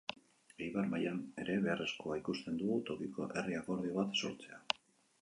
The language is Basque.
Eibar mailan ere beharrezkoa ikusten dugu tokiko herri akordio bat sortzea.